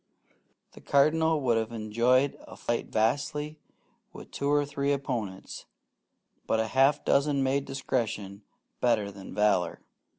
The Cardinal would have enjoyed a fight vastly with two or three opponents; but a half dozen made discretion better than valour.